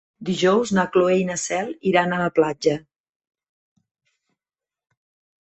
Dijous na Cloè i na Cel iran a la platja.